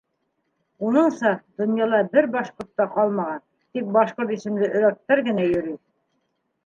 Уныңса, донъяла бер башҡорт та ҡалмаған, тик башҡорт исемле өрәктәр генә йөрөй.